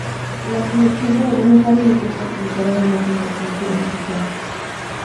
La selección todavía no sabe lo que es participar en una competición oficial.